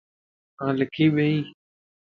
آن لکي ٻيٺي